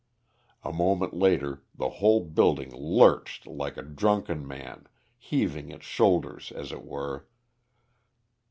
A moment later the whole building lurched like a drunken man, heaving its shoulders as it were.